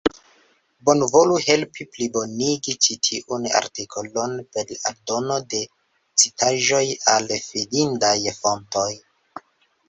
Bonvolu helpi plibonigi ĉi tiun artikolon per aldono de citaĵoj al fidindaj fontoj.